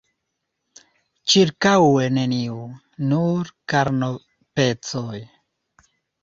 Ĉirkaŭe neniu: nur karnopecoj.